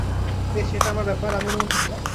বেশ, এটা আমার ব্যাপার, আমি অনুমতি দিলাম।